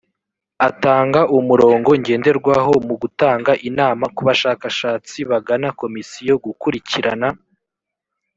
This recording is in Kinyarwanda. atanga umurongo ngenderwaho mu gutanga inama ku bashakashatsi bagana komisiyo gukurikirana